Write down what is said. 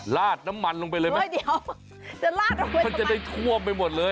ลาดน้ำมันลงไปเลยไหมไม่เดี๋ยวจะลาดลงไปมันจะได้ท่วมไปหมดเลย